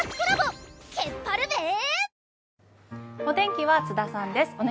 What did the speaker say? お天気は津田さんです。